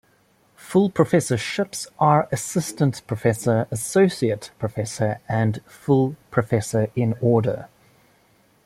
Full professorships are assistant professor, associate professor, and full professor in order.